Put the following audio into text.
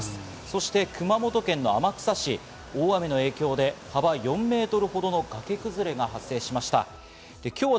そして熊本県の天草市、大雨の影響で幅４メートルほどの崖崩れが発生しました。